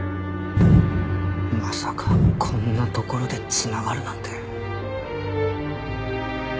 まさかこんなところで繋がるなんて。